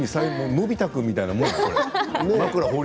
のび太君みたいなもの。